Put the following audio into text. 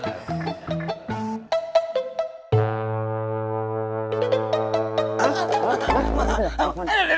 tidak tidak tidak